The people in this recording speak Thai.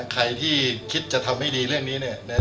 ใครที่คิดจะทำให้ดีเรื่องนี้เนี่ย